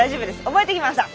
覚えてきました。